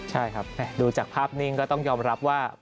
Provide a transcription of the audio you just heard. ใช่ครับดูจากภาพนิ่งก็ต้องยอมรับว่า